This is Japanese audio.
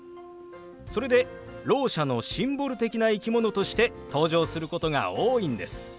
それでろう者のシンボル的な生き物として登場することが多いんです。